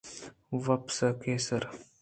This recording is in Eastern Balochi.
واسپ ءُ کیسر